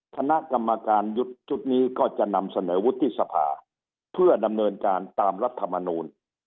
คณะกรรมการยุทธ์ชุดนี้ก็จะนำเสนอวุฒิสภาเพื่อดำเนินการตามรัฐมนูล